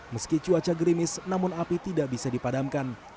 meski cuaca gerimis namun api tidak bisa dipadamkan